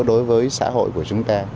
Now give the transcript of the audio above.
đối với xã hội của chúng ta